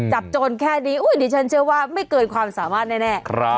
โจรแค่นี้ดิฉันเชื่อว่าไม่เกินความสามารถแน่